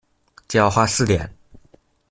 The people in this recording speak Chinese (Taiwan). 就要花四點